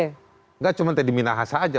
tidak cuma teddy minahasa saja